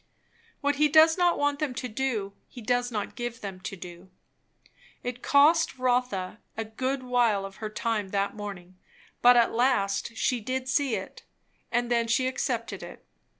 What he does not want them to do, he does not give them to do. It cost Rotha a good while of her time that morning, but at last she did see it, and then she accepted it.